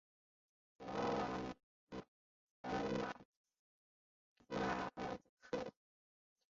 博瓦德马尔克。